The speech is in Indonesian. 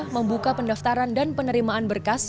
membuka pendaftaran dan penerimaan berkas